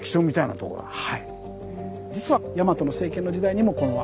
はい。